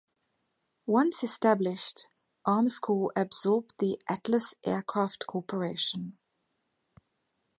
Once established, Armscor absorbed the Atlas Aircraft Corporation.